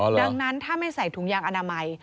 ดังนั้นถ้าไม่ใส่ถุงยางอนามัย